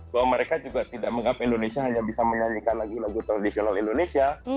bahwa mereka juga tidak menganggap indonesia hanya bisa menyanyikan lagu lagu tradisional indonesia